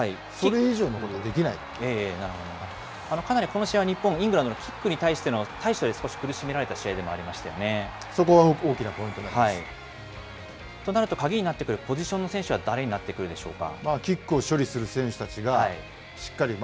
あるいはそれ以上のことはできなかなりこの試合、日本はイングランドのキックに対しての対処で少し苦しめられた試合でもありそこは大きなポイントになりとなると、鍵になってくるポジションの選手は誰になってくるでしょうか。